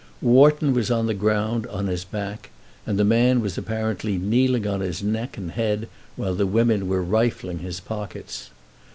Wharton was on the ground, on his back, and the man was apparently kneeling on his neck and head while the women were rifling his pockets.